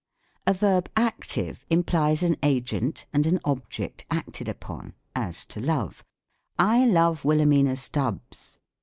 A Verb Active implies an agent, and an object acted upon; as, to love; "I love Wilhelmina Stubbs."